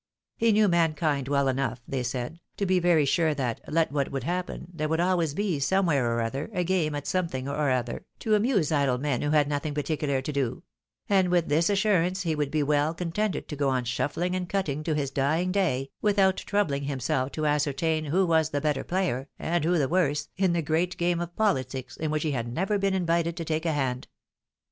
He knew mankind well enough, they said, to be very sure that, let what would happen, there would always be, somewhere or other, a game at something or other, to amuse idle men who had nothing particular to do ; and with this assurance he would be well contented to go on shuffling and cutting to his dying day, vrithout troubling himself to ascertain who was the better player, and who theworse, in the great game of politics in which he had never been invited to take a hand.